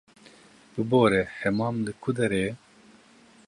Bibore, hemam li ku derê ye?